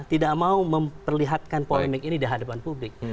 tidak mau memperlihatkan polemik ini di hadapan publik